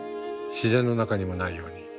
自然の中にもないように。